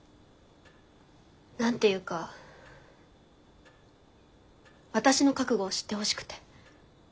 何ていうか私の覚悟を知ってほしくて。